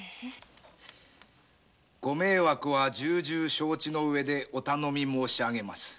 「ご迷惑は重々承知の上でお頼み申し上げます」